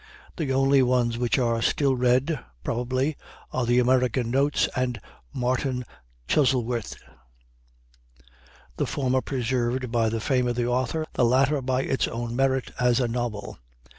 The only ones which are still read, probably, are the American Notes and Martin Chuzzlewit: the former preserved by the fame of the author, the latter by its own merit as a novel.